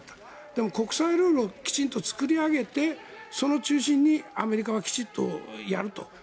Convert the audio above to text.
でも国際ルールをきちんと作り上げてその中心にアメリカはきちんとやると。